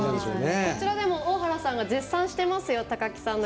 こちらでも大原さんが絶賛してますよ。